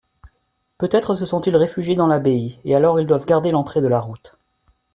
Peut-être se sont-ils réfugiés dans l'abbaye, et alors ils doivent garder l'entrée de la route.